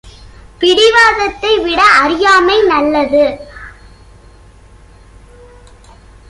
பிடிவாதத்தை விட அறியாமை நல்லது